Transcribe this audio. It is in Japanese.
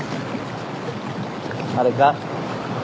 あれか？